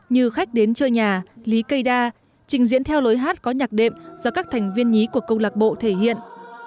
như khách đến chơi nhà lý cây đa trình diễn theo lối hát có nhạc đệm do các thành viên nhí của câu lạc bộ thể hiện